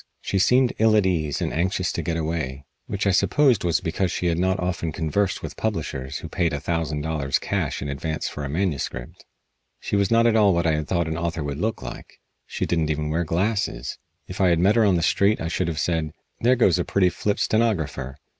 She seemed ill at ease and anxious to get away, which I supposed was because she had not often conversed with publishers who paid a thousand dollars cash in advance for a manuscript. She was not at all what I had thought an author would look like. She didn't even wear glasses. If I had met her on the street I should have said: "There goes a pretty flip stenographer."